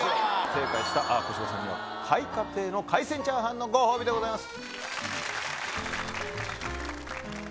正解した小芝さんには、開化亭の海鮮チャーハンのご褒美でございます。